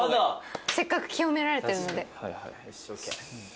せっかく浄められてるので。